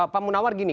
pak munawar gini